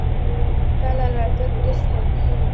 ستا له تګ وروسته مې